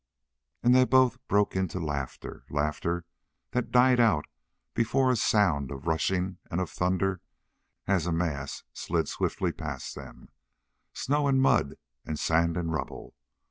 And they both broke into laughter laughter that died out before a sound of rushing and of thunder, as a mass slid swiftly past them, snow and mud and sand and rubble.